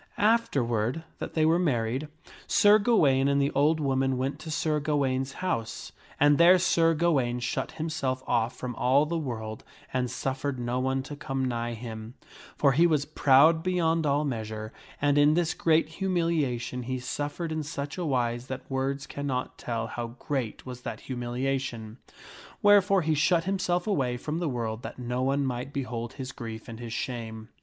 Afterward that they were married, Sir Gawaine and the old woman went to Sir Gawaine's house and there Sir Gawaine shut himself off from all the world and suffered no one to come nigh him ; for he was proud be yond all measure, and in this great humiliation he suffered in such a wise that words cannot tell how great was that humiliation. Wherefore he shut himself away from the world that no one might behold his grief and his shame.